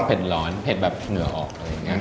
ร้อนเผ็ดแบบเหงื่อออกอะไรอย่างนี้